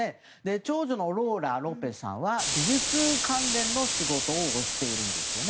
長女のローラさんは美術関連の仕事をしているんです。